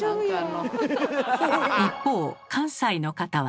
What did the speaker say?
一方関西の方は。